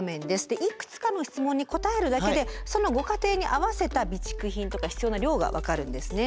いくつかの質問に答えるだけでそのご家庭に合わせた備蓄品とか必要な量が分かるんですね。